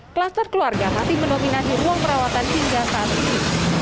kluster keluarga masih mendominasi ruang perawatan hingga saat ini